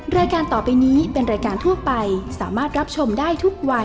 รายการต่อไปนี้เป็นรายการทั่วไปสามารถรับชมได้ทุกวัย